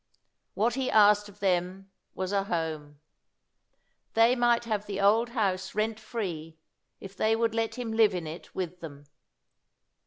What he asked of them was a home. They might have the old house rent free, if they would let him live in it with them.